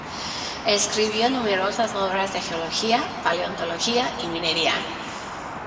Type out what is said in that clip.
Escribió numerosas obras de geología, paleontología y minería.